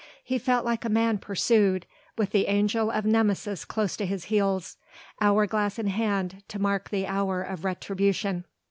He felt like a man pursued, with the angel of Nemesis close to his heels, hour glass in hand to mark the hour of retribution.